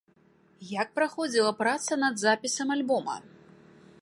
Як праходзіла праца над запісам альбома?